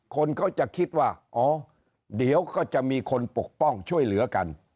คนเขาจะคิดว่าอ๋อเดี๋ยวก็จะมีคนปกป้องช่วยเหลือกัน